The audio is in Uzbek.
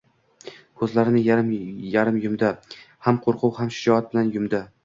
Ko‘zlarini yarim yumdi. Ham qo‘rquv, ham shijoat bilan yumdi.